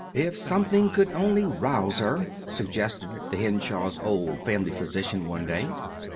"If something could only rouse her," suggested the Henshaw's old family physician one day.